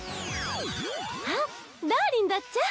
あっダーリンだっちゃ。